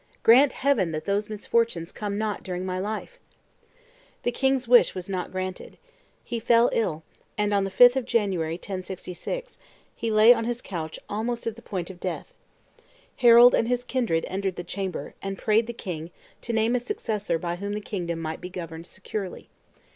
Grant Heaven that those misfortunes come not during my life!" The king's wish was not granted. He fell ill; and on the 5th of January, 1066, he lay on his couch almost at the point of death. Harold and his kindred entered the chamber, and prayed the king to name a successor by whom the kingdom might be governed securely.